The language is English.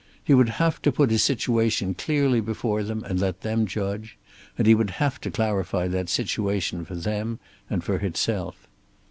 He would have to put his situation clearly before them and let them judge. And he would have to clarify that situation for them and for himself.